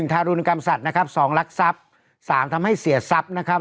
ทารุณกรรมสัตว์นะครับ๒ลักทรัพย์๓ทำให้เสียทรัพย์นะครับ